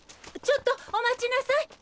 ちょっとお待ちなさい。